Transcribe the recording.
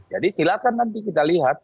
jadi silakan nanti kita lihat